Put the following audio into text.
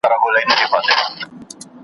چي د شر تخم تباه نه کړی یارانو .